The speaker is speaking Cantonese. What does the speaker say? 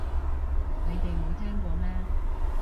你哋冇聽過咩